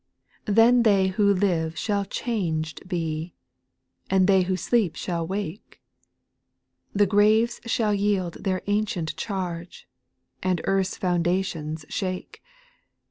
Then they who live shall changed be, And they who sleep shall wake ; The graves shall yield their ancient charge, And earth's foundations shake.